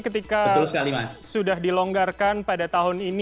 ketika sudah dilonggarkan pada tahun ini